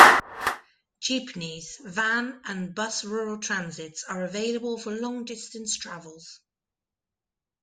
Jeepneys, van, and bus Rural Transits are available for long-distance travels.